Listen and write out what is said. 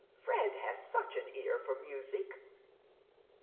" Fred has such an ear for music."